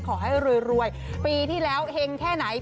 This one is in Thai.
ขอให้รวยปีที่แล้วเฮงแค่ไหน